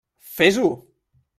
Fes-ho!